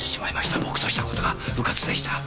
僕とした事がうかつでした。